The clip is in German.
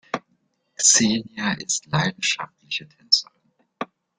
Xenia ist leidenschaftliche Tänzerin.